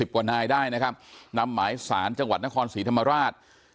กว่านายได้นะครับนำหมายสารจังหวัดนครศรีธรรมราช